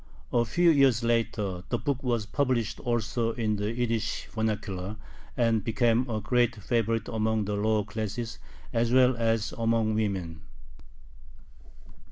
A few years later the book was published also in the Yiddish vernacular, and became a great favorite among the lower classes as well as among women.